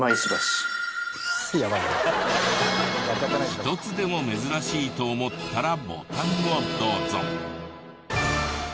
１つでも珍しいと思ったらボタンをどうぞ。